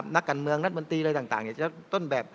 นักการเมืองราชบันตรีต้นแบบ